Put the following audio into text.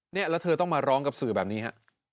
แล้วเธอต้องมาร้องกับสื่อแบบนี้ฮะ